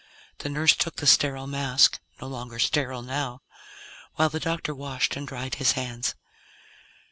The nurse took the sterile mask no longer sterile now while the doctor washed and dried his hands.